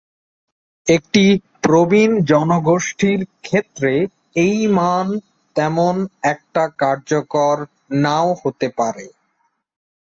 এটি প্রবীণ জনগোষ্ঠীর ক্ষেত্রে এই মান তেমন একটা কার্যকর নাও হতে পারে।